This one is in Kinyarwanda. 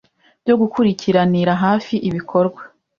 byo gukurikiranira hafi ibikorwa